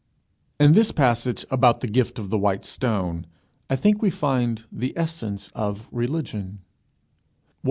In this passage about the gift of the white stone, I think we find the essence of religion.